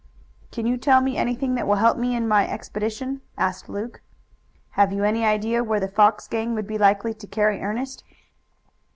"Can you tell me anything that will help me in my expedition?" asked Luke. "Have you any idea where the Fox gang would be likely to carry Ernest?"